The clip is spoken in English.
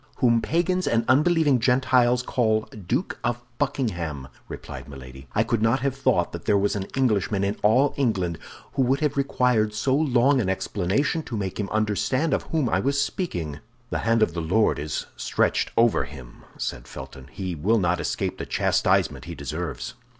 "Whom Pagans and unbelieving Gentiles call Duke of Buckingham," replied Milady. "I could not have thought that there was an Englishman in all England who would have required so long an explanation to make him understand of whom I was speaking." "The hand of the Lord is stretched over him," said Felton; "he will not escape the chastisement he deserves."